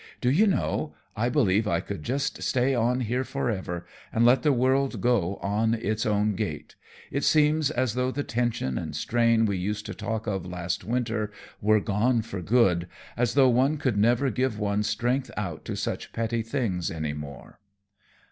Do you know, I believe I could just stay on here forever and let the world go on its own gait. It seems as though the tension and strain we used to talk of last winter were gone for good, as though one could never give one's strength out to such petty things any more."